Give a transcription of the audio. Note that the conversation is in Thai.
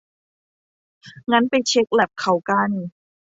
งั้นไปเช็คแลปเขากัน